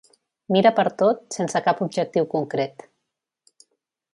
Mira pertot sense cap objectiu concret.